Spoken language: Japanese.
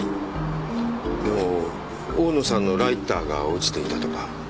でも大野さんのライターが落ちていたとか。